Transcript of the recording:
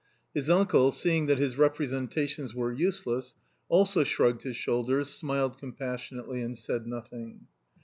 His uncle, see ing that his representations were useless, also shrugged his shoulders, smiled compassionately and said nothing.